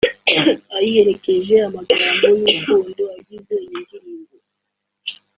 ayiherekeza amagambo y’urukundo agize iyi ndirimbo